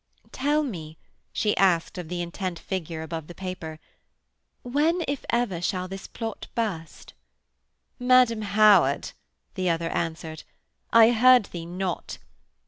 'Tell me,' she asked of the intent figure above the paper, 'when, if ever, this plot shall burst?' 'Madam Howard,' the other answered, 'I heard thee not.'